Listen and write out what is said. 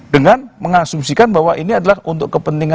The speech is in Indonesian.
dengan mengasumsikan bahwa ini adalah untuk kepentingan